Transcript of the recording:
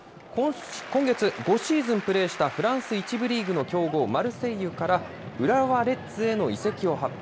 今月、５シーズンプレーしたフランス１部リーグの強豪、マルセイユから浦和レッズへの移籍を発表。